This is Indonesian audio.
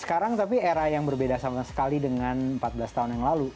sekarang tapi era yang berbeda sama sekali dengan empat belas tahun yang lalu